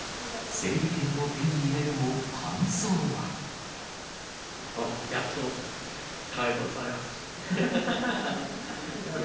整理券を手に入れるも、やっと解放されます。